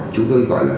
chúng tôi gọi là